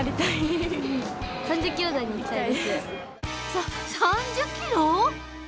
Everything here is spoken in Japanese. さ３０キロ！？